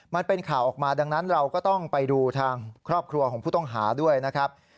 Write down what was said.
มันเป็นข่าวออกมาดังนั้นเราก็ต้องไปดูทางครอบครัวของผู้ต้องหาด้วยนะครับ